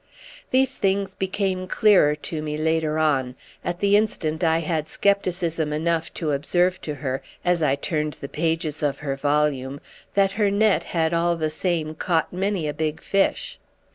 These things became clearer to me later on; at the instant I had scepticism enough to observe to her, as I turned the pages of her volume, that her net had all the same caught many a big fish.